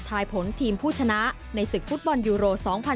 ผลทีมผู้ชนะในศึกฟุตบอลยูโร๒๐๑๖